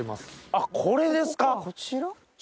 あっこれですか。